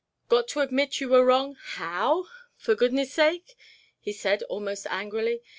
"Got to admit you were wrong how—for goodness' sake?" he said, almost angrily.